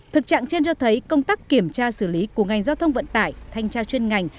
thực trạng trên cho thấy công tác kiểm tra xử lý của ngành giao thông vận tải thanh tra chuyên ngành